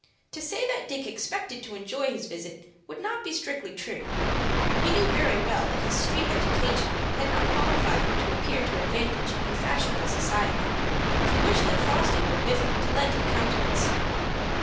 To say that Dick expected to enjoy his visit would not be strictly true. He knew very well that his street education had not qualified him to appear to advantage in fashionable society, and he wished that Fosdick were with him to lend him countenance.